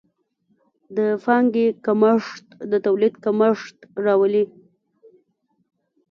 د پانګې کمښت د تولید کمښت راولي.